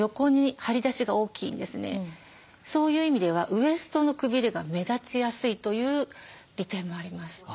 そういう意味ではウエストのくびれが目立ちやすいという利点もあります。